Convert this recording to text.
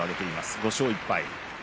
５勝１敗。